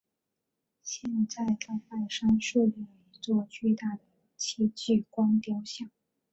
现在在半山竖立了一座巨大的戚继光雕像。